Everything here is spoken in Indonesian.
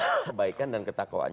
kebaikan dan ketakwaan